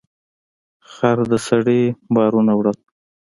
خر د سړي بارونه وړل.